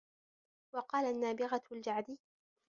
وَقَالَ النَّابِغَةُ الْجَعْدِيُّ